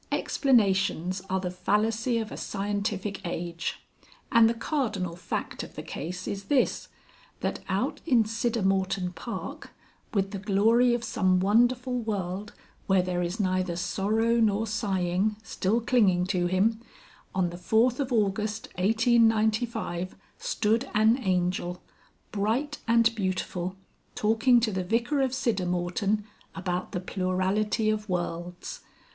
Explanations are the fallacy of a scientific age. And the cardinal fact of the case is this, that out in Siddermorton Park, with the glory of some wonderful world where there is neither sorrow nor sighing, still clinging to him, on the 4th of August 1895, stood an Angel, bright and beautiful, talking to the Vicar of Siddermorton about the plurality of worlds.